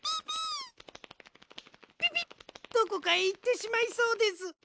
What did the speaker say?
ピピどこかへいってしまいそうです。